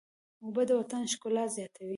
اوبه د وطن ښکلا زیاتوي.